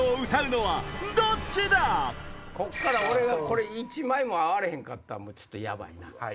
ここから俺が一枚も合われへんかったらちょっとヤバいな。